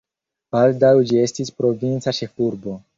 Baldaŭ ĝi estis provinca ĉefurbo.